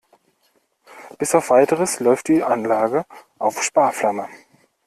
Bis auf Weiteres läuft die Anlage auf Sparflamme.